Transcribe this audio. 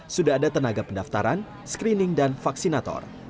sudah ada tenaga pendaftaran screening dan vaksinator